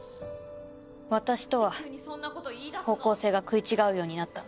私とは方向性が食い違うようになったの。